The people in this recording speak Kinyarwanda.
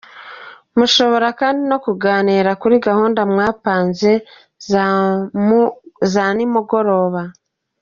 Mushobora kandi no kuganira kuri gahunda mwapanze za nimugoroba.